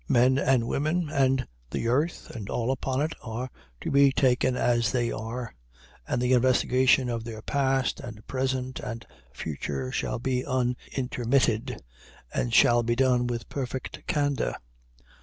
Men and women, and the earth and all upon it, are to be taken as they are, and the investigation of their past and present and future shall be unintermitted, and shall be done with perfect candor.